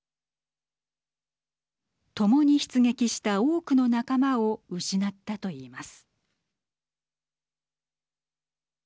共に出撃した多くの仲間を失ったと言います。